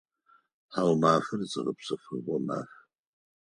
Тхьаумафэр зыгъэпсэфыгъо маф.